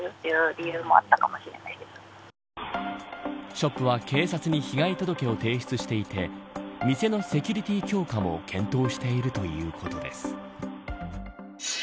ショップは警察に被害届を提出していて店のセキュリティー強化も検討しているということです。